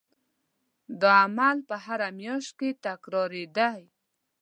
دا عمل به هره میاشت تکرارېدی.